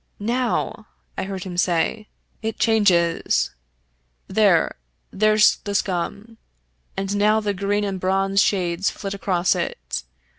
" Now," I heard him say, "it changes. There — there's the scum. And now the green and bronze shades flit across it.